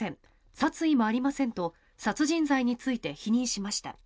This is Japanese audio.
殺意もありませんと殺人罪について否認しました。